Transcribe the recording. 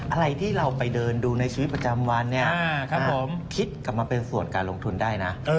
อะไรที่เราไปเดินดูในชีวิตประจำวันเนี่ยคิดกลับมาเป็นส่วนการลงทุนได้นะ